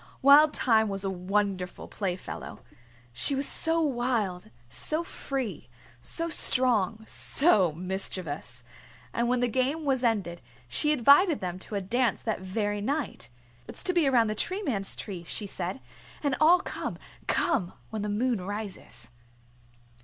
Wild Thyme was a wonderful playfellow. She was so wild, so free, so strong, so mischievous. And when the game was ended she invited them to a dance that very night. "It's to be around the Tree Man's Tree," she said. "And all come come when the moon rises."